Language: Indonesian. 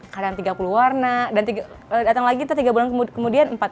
kadang tiga puluh warna dan datang lagi itu tiga bulan kemudian